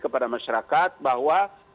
kepada masyarakat bahwa